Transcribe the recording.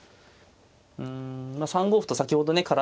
うん３五歩と先ほどね